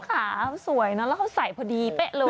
ขาวสวยเนอะแล้วเขาใส่พอดีเป๊ะเลย